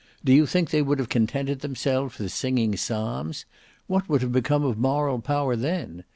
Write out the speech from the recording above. Do you think they would have contented themselves with singing psalms? What would have become of moral power then?